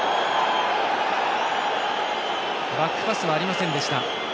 バックパスはありませんでした。